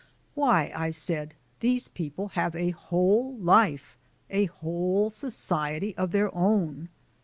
"Why," I said, "these people have a whole life, a whole society, of their own!"